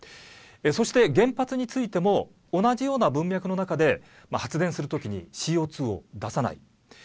そして、原発についても同じような文脈の中で発電するときにＣＯ２を出さない。